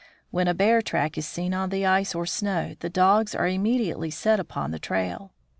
When a bear track is seen on the ice or snow, the dogs are immediately set upon the trail.